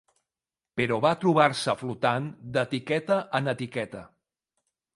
Però va trobar-se flotant d'etiqueta en etiqueta.